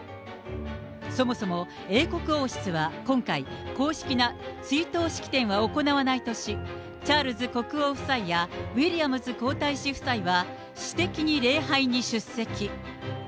そもそも英国王室は今回、公式な追悼式典は行わないとし、チャールズ国王夫妻やウィリアム皇太子夫妻は私的に礼拝に出席。